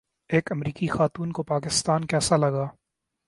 ایک امریکی خاتون کو پاکستان کیسا لگا